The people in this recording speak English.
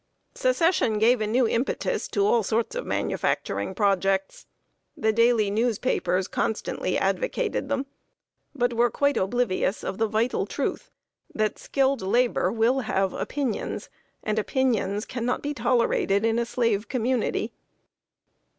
Secession gave a new impetus to all sorts of manufacturing projects. The daily newspapers constantly advocated them, but were quite oblivious of the vital truth that skilled labor will have opinions, and opinions can not be tolerated in a slave community.